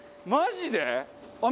マジで？